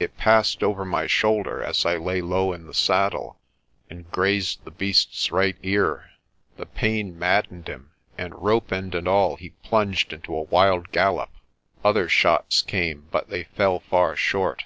It passed over my shoulder, as I lay low in the saddle, and grazed the beast's right ear. The pain maddened him and, rope end and all, he plunged into a wild gallop. Other shots came, but they fell far short.